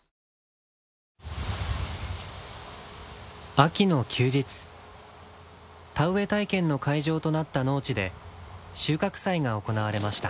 秋の休日田植え体験の会場となった農地で収穫祭が行われました。